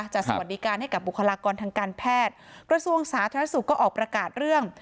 สวัสดีการให้กับบุคลากรทางการแพทย์กระทรวงสาธารณสุขก็ออกประกาศเรื่อง